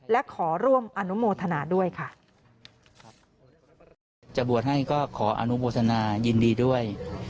และขอร่วมอนุโมทนาด้วยค่ะครับจะบวชให้ก็ขออนุโมทนายินดีด้วย